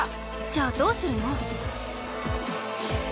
じゃあどうするの？